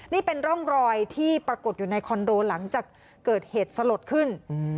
นี่เป็นร่องรอยที่ปรากฏอยู่ในคอนโดหลังจากเกิดเหตุสลดขึ้น